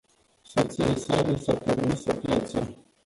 Soției sale i s-a permis să plece.